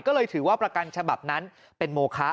ก็เลยถือว่าประกันฉบับนั้นเป็นโมคะ